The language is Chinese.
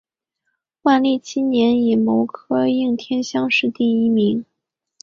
万历七年己卯科应天乡试第一名。